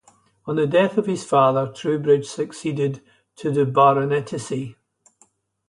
On the death of his father, Troubridge succeeded to the baronetcy.